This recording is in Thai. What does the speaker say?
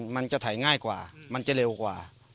มันจะถ่ายง่ายกว่ามันจะเร็วกว่า